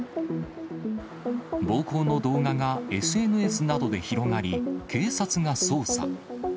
暴行の動画がＳＮＳなどで広がり、警察が捜査。